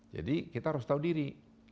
jadi kita harus tahu diri